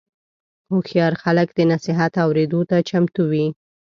هوښیار خلک د نصیحت اورېدو ته چمتو وي.